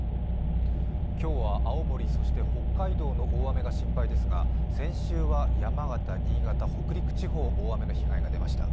今日は青森、北海道の大雨が心配ですが先週は山形、新潟、北陸地方大雨の被害が出ました。